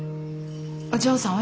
お嬢さん